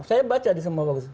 saya baca di semua bagus